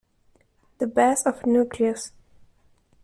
The Best Of Newcleus.